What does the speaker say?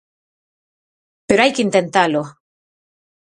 Pero hai que intentalo.